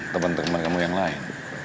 temen temen kamu yang lain